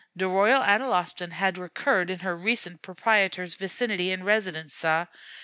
De Royal Analostan had recurred in her recent proprietor's vicinity and residence, sah.